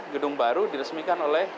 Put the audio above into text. gedung baru diresmikan oleh